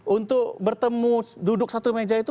untuk bertemu duduk satu meja itu